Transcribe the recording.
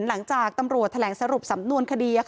หลังจากตำรวจแถลงสรุปสำนวนคดี